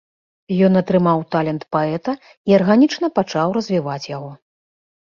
Ён атрымаў талент паэта і арганічна пачаў развіваць яго.